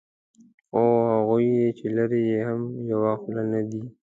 خو هغوی چې لري یې هم یوه خوله نه دي.